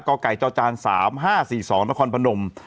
ก่อไก่จอจาน๓๕๔๒นครพนม